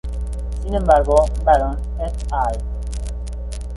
Sin embargo, Baron "et al".